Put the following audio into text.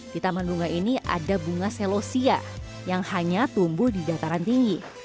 di taman bunga ini ada bunga selosia yang hanya tumbuh di dataran tinggi